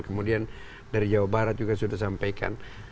kemudian dari jawa barat juga sudah sampaikan